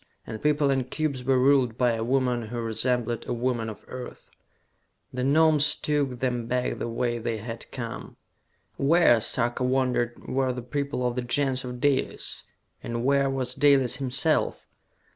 And people and cubes were ruled by a woman who resembled a woman of Earth! The Gnomes took them back the way they had come. Where, Sarka wondered, were the people of the Gens of Dalis? And where was Dalis himself!